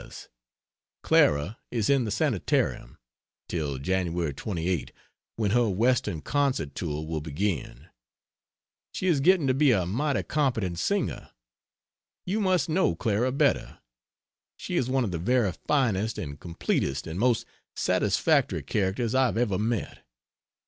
C. P.S. Clara is in the sanitarium till January 28 when her western concert tour will begin. She is getting to be a mighty competent singer. You must know Clara better; she is one of the very finest and completest and most satisfactory characters I have ever met.